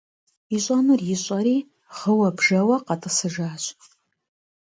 Ищӏэнур ищӏэри гъыуэ-бжэуэ къэтӏысыжащ.